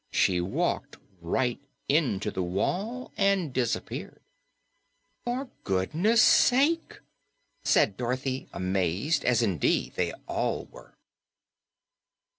She walked right into the wall and disappeared. "For goodness sake!" Dorothy, amazed, as indeed they all were.